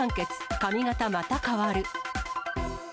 髪形また変わる。